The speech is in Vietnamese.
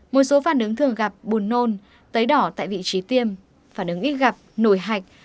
một số phản ứng thường gặp bùn nôn tấy đỏ tại vị trí tiêm phản ứng ít gặp nổi hạch